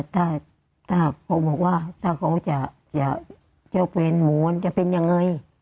ถ้าก็บอกว่าถ้าเขาจะเป็นหมูจะเป็นยังไง